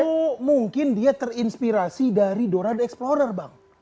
oh mungkin dia terinspirasi dari dora the explorer bang